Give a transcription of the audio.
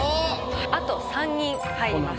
あと３人入ります。